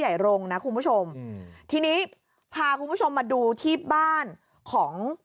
ใหญ่รงค์นะคุณผู้ชมที่นี้พาคุณผู้ชมมาดูที่บ้านของ